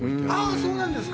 そうなんですか。